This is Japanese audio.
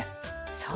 そう。